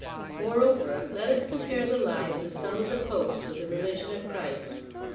Moreover, let us compare the lives of some of the Popes with the religion of Christ.